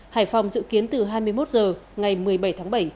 hải phòng dự kiến từ hai mươi một h ngày một mươi bảy tháng bảy